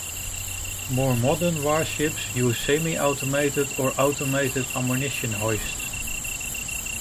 More modern warships use semi-automated or automated ammunition hoists.